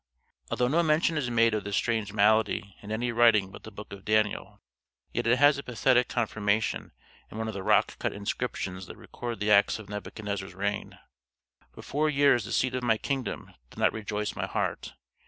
Although no mention is made of this strange malady in any writing but the book of Daniel, yet it has a pathetic confirmation in one of the rock cut inscriptions that record the acts of Nebuchadnezzar's reign. "For four years the seat of my kingdom did not rejoice my heart.